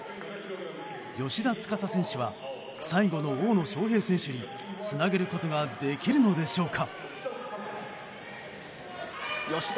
芳田司選手は最後の大野将平選手につなげることができるのでしょうか。